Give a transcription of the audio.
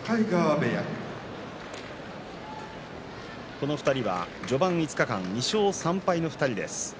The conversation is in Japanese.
この２人、序盤５日間２勝３敗です。